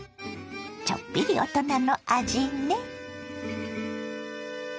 ちょっぴり大人の味ね。